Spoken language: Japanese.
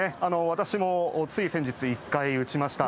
私もつい先日１回打ちました。